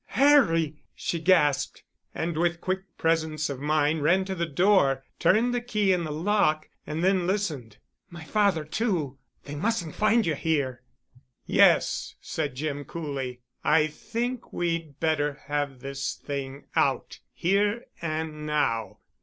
"Harry!" she gasped. And with quick presence of mind ran to the door, turned the key in the lock and then listened. "My father, too—. They mustn't find you here." "Yes," said Jim coolly. "I think we'd better have this thing out—here and now."